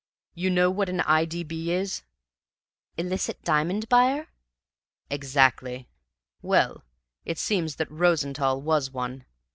You know what an I. D. B. is?" "Illicit Diamond Buyer?" "Exactly. Well, it seems that Rosenthall was one.